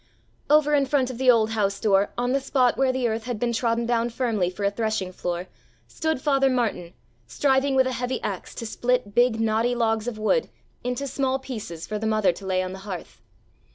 Over in front of the old house door on the spot where the earth had been trodden down firmly for a threshing floor, stood Father Martin striving with a heavy axe to split big knotty logs of wood into small pieces for the mother to lay on the hearth.